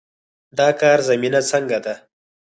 د کار زمینه څنګه ده؟